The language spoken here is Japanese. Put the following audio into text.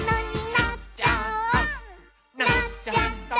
「なっちゃった！」